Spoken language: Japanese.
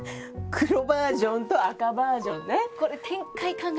黒バージョンと赤バージョンね。